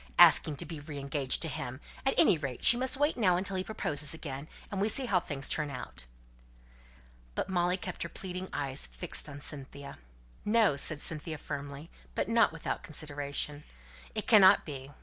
Asking to be re engaged to him! At any rate, she must wait now until he proposes again, and we see how things turn out." But Molly kept her pleading eyes fixed on Cynthia. "No!" said Cynthia firmly, but not without consideration. "It cannot be.